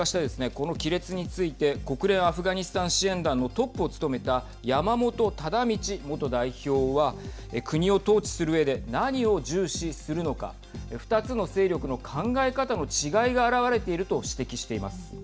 この亀裂について国連アフガニスタン支援団のトップを務めた山本忠通元代表は国を統治するうえで何を重視するのか２つの勢力の考え方の違いが表れていると指摘しています。